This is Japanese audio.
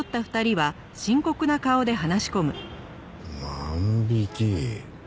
万引き？